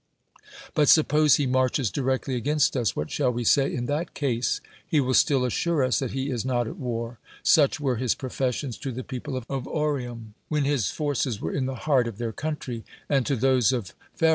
But suppose he marches directly against us, what shall we say in that case? He will still assure us that he is not at war; such were his professions to the people of Oreum when his forces were in the heart of their country; and to those of Phern?